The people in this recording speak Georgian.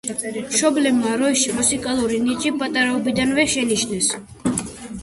მშობლებმა როიში მუსიკალური ნიჭი პატარაობიდანვე შენიშნეს.